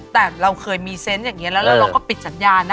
แต่เราเคยมีเซนต์อย่างนี้แล้วเราก็ปิดสัญญานะ